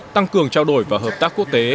tăng cường trao đổi và hợp tác quốc tế